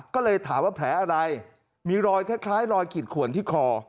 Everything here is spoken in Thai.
ก็เลยถามว่าแผลอะไรมีรอยคล้ายรอยขีดขวนที่คอ